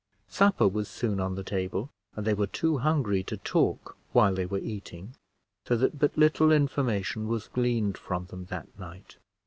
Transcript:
Supper was soon on the table, and they were too hungry to talk while they were eating, so that but little information was gleaned from them that night.